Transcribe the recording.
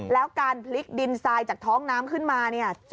แล้วการพลิกดินทรายจากท้องน้ำขึ้นมาเนี่ย